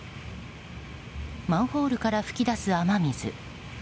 マンホールから噴き出す雨水。